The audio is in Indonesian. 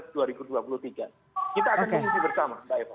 kita akan mencari tahu bersama mbak ewa